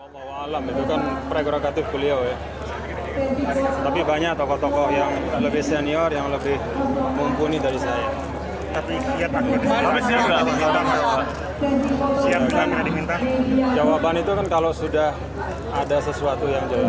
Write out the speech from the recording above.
tapi yang jelas banyak tokoh tokoh bangsa yang lebih hebat hebat